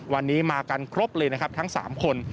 วันนี้มากันครบเลยนะครับทั้ง๓คน